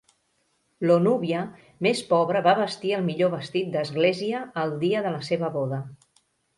Lo núvia més pobra va vestir el millor vestit d'església el dia de la seva boda.